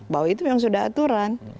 bahwa itu memang sudah aturan